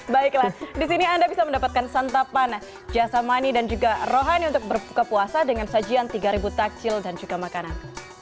baiklah di sini anda bisa mendapatkan santapan jasa mani dan juga rohani untuk berbuka puasa dengan sajian tiga takjil dan juga makanan